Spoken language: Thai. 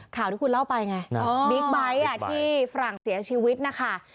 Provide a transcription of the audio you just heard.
ข่าวที่คุณเล่าไปไงบิ๊กไบท์ที่ฝรั่งเสียชีวิตนะคะ